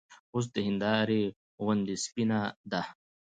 اوس د هېندارې غوندې سپينه ده